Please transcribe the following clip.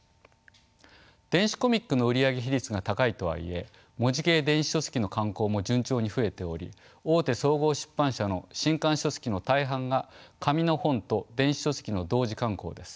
電子コミックの売上比率が高いとはいえ文字系電子書籍の刊行も順調に増えており大手総合出版社の新刊書籍の大半が紙の本と電子書籍の同時刊行です。